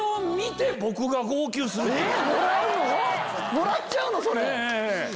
もらっちゃうの⁉それ。